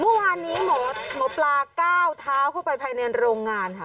เมื่อวานนี้หมอปลาก้าวเท้าเข้าไปภายในโรงงานค่ะ